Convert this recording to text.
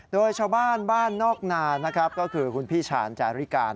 โดยชาวบ้านบ้านนอกนานนะครับก็คือคุณพี่ชาญจาริการ